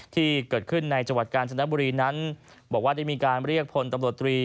ที่เกิดขึ้นในจังหวัดกาญจนบุรีนั้นบอกว่าได้มีการเรียกพลตำรวจตรี